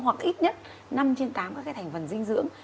hoặc ít nhất năm trên tám các cái thành phần dinh dưỡng